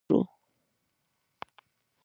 په راتلونکي څپرکي کې به یې روښانه کړو.